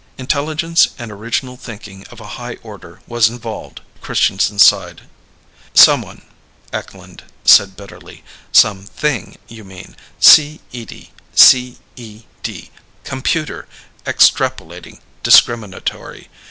Intelligence and original thinking of a high order was involved." Christianson sighed. "Some_one_," Eklund said bitterly. "Some thing you mean. C. Edie C.E.D. Computer, Extrapolating, Discriminatory.